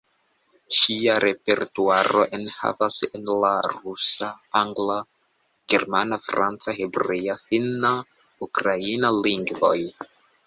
Ŝia repertuaro enhavas en la rusa, angla, germana, franca, hebrea, finna, ukraina lingvoj.